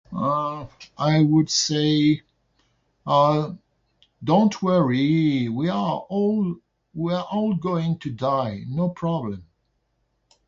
Uh, I would say, uh, don't worry. We are all, we are all going to die. No problem.